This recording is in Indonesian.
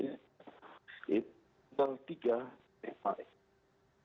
tiga ini baik